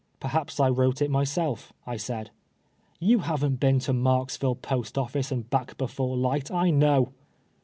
" Perhaps I wrote it myself," I said. " You haven't been to Marksville post office and back before light, I know."